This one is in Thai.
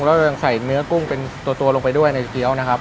แล้วยังใส่เนื้อกุ้งเป็นตัวลงไปด้วยในเกี้ยวนะครับ